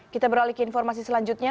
kita beralih ke informasi selanjutnya